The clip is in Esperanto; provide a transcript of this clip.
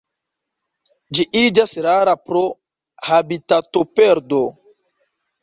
Ĝi iĝas rara pro habitatoperdo.